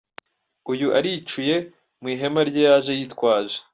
Uyu aricuye mu ihema rye yaje yitwaje.